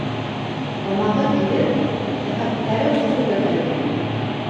Тамағы кибеп, тәҡәттәре ҡороп ята икән.